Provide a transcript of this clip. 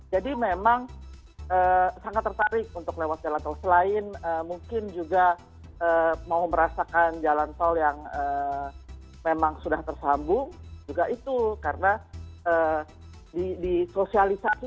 jadi memang sangat tertarik untuk lewat jalan tol selain mungkin juga mau merasakan jalan tol yang memang sudah tersambung juga itu karena disosialisasi